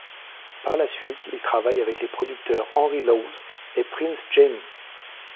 Par la suite, il travaille avec les producteurs Henry Lawes et Prince Jammy.